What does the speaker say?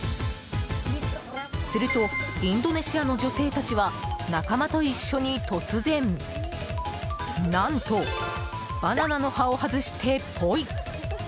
するとインドネシアの女性たちは仲間と一緒に、突然何とバナナの葉を外して、ポイ。